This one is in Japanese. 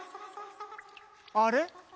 あれ？